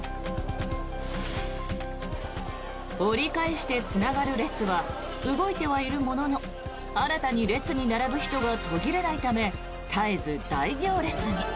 折り返してつながる列は動いてはいるものの新たに列に並ぶ人が途切れないため絶えず大行列に。